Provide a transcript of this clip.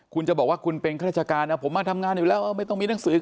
คุณจะบอกว่าคุณเป็นข้าราชการนะผมมาทำงานอยู่แล้วไม่ต้องมีหนังสือ